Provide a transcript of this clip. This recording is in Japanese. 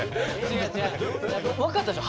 分かったでしょ？